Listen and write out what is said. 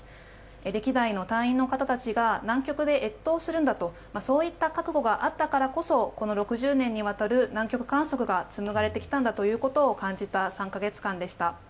歴代の隊員の方たちが南極で越冬するんだとそういった覚悟があったからこそ６０年にわたる南極観測が紡がれてきたんだということを感じた３か月間でした。